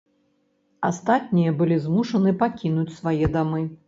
Астатнія былі змушаны пакінуць свае дамы.